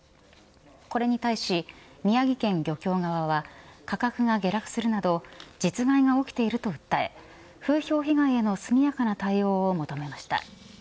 これに対し、宮城県漁協側は価格が下落するなど実害が起きていると訴え風評被害への速やかな対応を求めました。